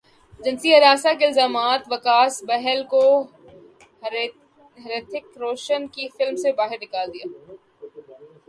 جنسی ہراساں کے الزامات وکاس بہل کو ہریتھک روشن کی فلم سے باہر کردیا گیا